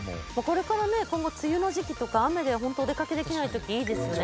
これからね今後梅雨の時期とか雨でホントお出かけできない時いいですね。